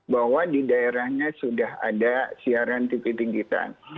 bahwa di daerahnya sudah ada siaran tv tingkitan